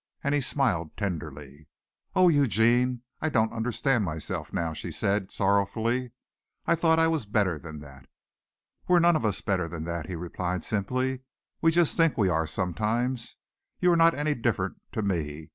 And he smiled tenderly. "Oh, Eugene, I don't understand myself now," she said sorrowfully. "I thought I was better than that." "We're none of us better than that," he replied simply. "We just think we are sometimes. You are not any different to me.